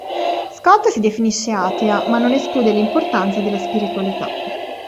Scott si definisce atea, ma non esclude l'importanza della spiritualità.